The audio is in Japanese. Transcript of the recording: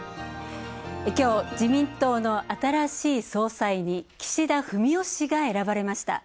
きょう自民党の新しい総裁に岸田文雄氏が選ばれました。